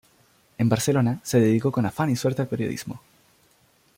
En Barcelona, se dedicó con afán y suerte al periodismo.